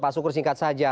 pak sukur singkat saja